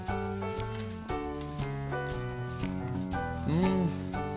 うん。